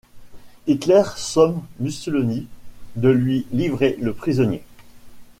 Hitler somme Mussolini de lui livrer le prisonnier.